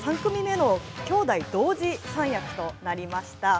今回、史上３組目の兄弟同時三役となりました。